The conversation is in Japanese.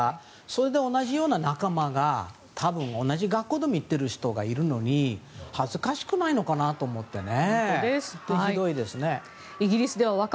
それで同じような仲間が多分同じ学校行ってる人がいるのに恥ずかしくないのかなと思ってね。